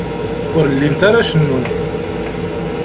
Ur llint ara cennunt.